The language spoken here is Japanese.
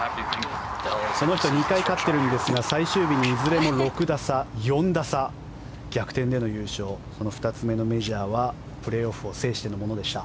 この人２回勝っているんですが最終日にいずれも６打差、４打差逆転での優勝２つ目のメジャーはプレーオフを制してのものでした。